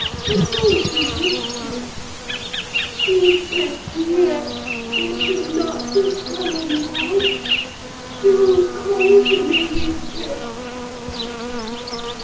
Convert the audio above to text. "I thought he wished it. Heathcliff, dear! you should not be sullen now. Do come to me, Heathcliff."